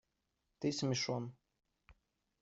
Ты смешон.